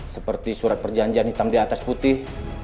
seperti surat perjanjian hitam di atas putih